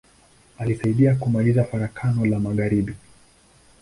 Alisaidia kumaliza Farakano la magharibi.